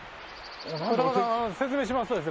高田さん説明しますとですね